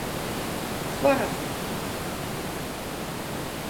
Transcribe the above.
Foarige.